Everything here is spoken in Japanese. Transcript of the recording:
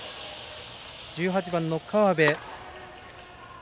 １８番の川辺。